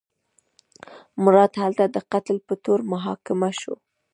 مراد هلته د قتل په تور محاکمه شو.